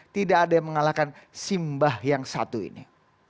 tidak ada yang mengalahkan simbah yang satu ini